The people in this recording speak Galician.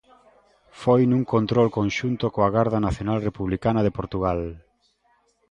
Foi nun control conxunto coa Garda Nacional Republicana de Portugal.